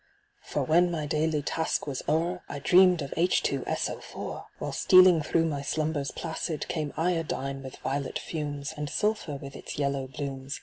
For when mj' daily task was o'er I dreamed of H^S04, While stealing through my slumbers placid Came Iodine, with violet fumes, And Sulphur, with its yellow blooms.